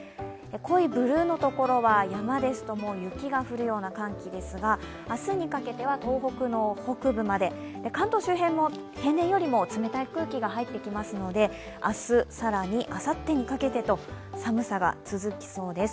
濃いブルーのところは山ですと雪が降るような寒気ですが明日にかけては東北の北部まで、関東周辺も平年よりも冷たい空気が入ってきますので明日、更にあさってにかけてと寒さが続きそうです。